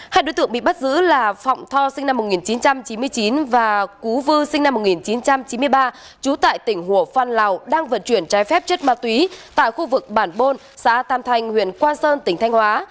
hai đối tượng bị bắt giữ là phọng tho sinh năm một nghìn chín trăm chín mươi chín và cú vư sinh năm một nghìn chín trăm chín mươi ba chú tại tỉnh hồ phan lào đang vượt chuyển trái phép chất ma túy tại khu vực bản bôn xã tam thanh huyện quang sơn tỉnh thanh hóa